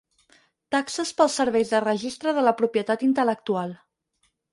Taxes pels serveis del Registre de la Propietat Intel·lectual.